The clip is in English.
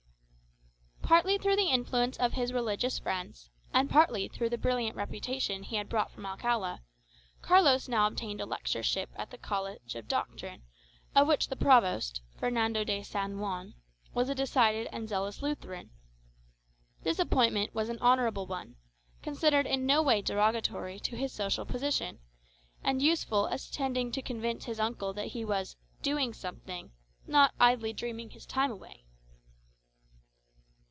Partly through the influence of his religious friends, and partly through the brilliant reputation he had brought from Alcala, Carlos now obtained a lectureship at the College of Doctrine, of which the provost, Fernando de San Juan, was a decided and zealous Lutheran. This appointment was an honourable one, considered in no way derogatory to his social position, and useful as tending to convince his uncle that he was "doing something," not idly dreaming his time away.